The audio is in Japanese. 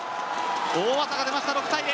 大技が出ました６対０！